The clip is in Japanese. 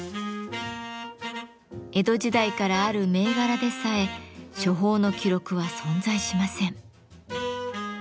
江戸時代からある銘柄でさえ処方の記録は存在しません。